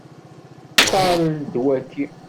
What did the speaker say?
Ṭṭal-d waki.